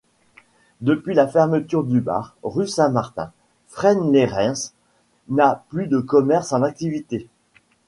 Depuis la fermeture du bar rue Saint-Martin, Fresne-Lès-Reims n'a plus de commerce en activité.